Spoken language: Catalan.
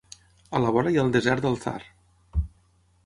A la vora hi ha el desert del Thar.